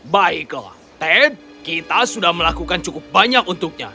baiklah ted kita sudah melakukan cukup banyak untuknya